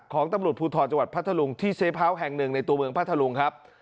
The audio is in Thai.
ของตำรวจภูทรจังหวัดพัทธรุงที่เซเฮาวส์แห่งหนึ่งในตัวเมืองพัทธลุงครับ